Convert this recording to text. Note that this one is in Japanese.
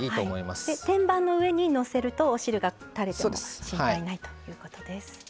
天板の上にのせるとお汁がたれる心配もないということです。